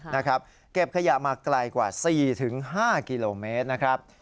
นะครับเก็บขยะมาไกลกว่า๔๕กิโลเมตรนะครับ